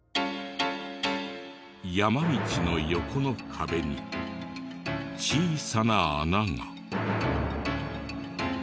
山道の横の壁に小さな穴が。